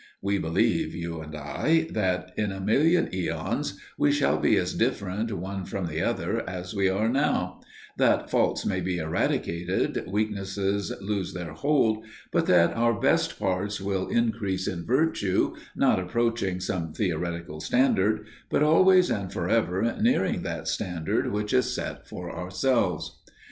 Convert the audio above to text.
We believe, you and I, that in a million æons we shall be as different one from the other as we are now; that faults may be eradicated, weaknesses lose their hold, but that our best parts will increase in virtue, not approaching some theoretical standard, but always and forever nearing that standard which is set for ourselves.